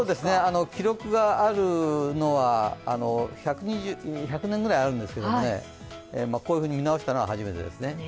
記録が１００年ぐらいあるんですけれどもこういうふうに見直したのは初めてですね。